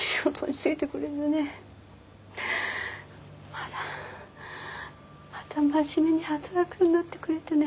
またまた真面目に働くようになってくれてね。